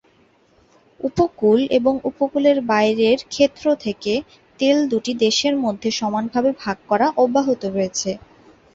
উপকূল এবং উপকূলের বাইরের ক্ষেত্র থেকে তেল দুটি দেশের মধ্যে সমানভাবে ভাগ করা অব্যাহত রয়েছে।